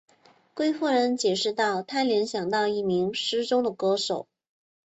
贵夫人解释道她联想到一名失踪的歌手。